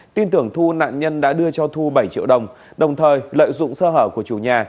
tin tưởng thu nạn nhân đã đưa cho thu bảy triệu đồng đồng thời lợi dụng sơ hở của chủ nhà